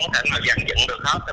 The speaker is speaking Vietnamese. để mà giảng dựng được hết